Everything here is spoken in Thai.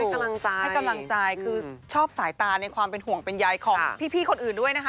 ให้กำลังใจคือชอบสายตาในความเป็นห่วงเป็นใยของพี่คนอื่นด้วยนะคะ